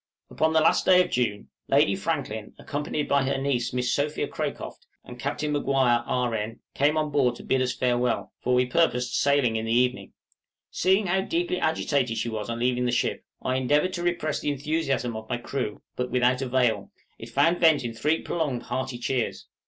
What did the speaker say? } Upon the last day of June, Lady Franklin, accompanied by her niece Miss Sophia Cracroft, and Capt. Maguire, R.N., came on board to bid us farewell, for we purposed sailing in the evening. Seeing how deeply agitated she was on leaving the ship, I endeavored to repress the enthusiasm of my crew, but without avail; it found vent in three prolonged, hearty cheers.